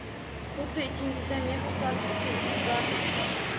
Xuddi ichingizda mehr solish uchun idish bordek